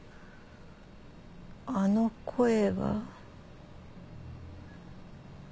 あの声は。